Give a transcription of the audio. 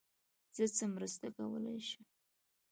زه څه مرسته کولای سم.